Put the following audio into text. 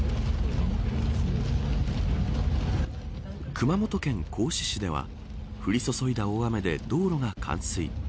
熊本県合志市では降り注いだ大雨で道路が冠水。